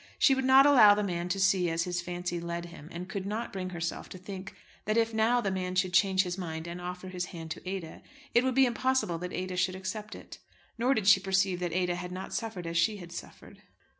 She would not allow the man to see as his fancy led him; and could not bring herself to think that if now the man should change his mind and offer his hand to Ada, it would be impossible that Ada should accept it. Nor did she perceive that Ada had not suffered as she had suffered.